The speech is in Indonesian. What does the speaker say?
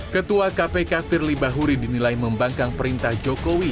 ketua kpk firly bahuri dinilai membangkang perintah jokowi